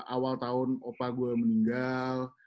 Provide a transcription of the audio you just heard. awal tahun opa gue meninggal